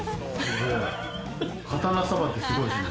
刀さばき、すごいですね。